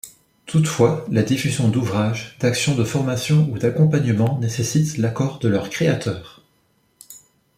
Toutefois, la diffusion d'ouvrage, d'actions de formations ou d'accompagnements nécessitent l'accord de leurs créateurs.